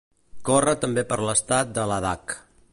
Corre també per l'estat de Ladakh.